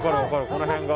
この辺が。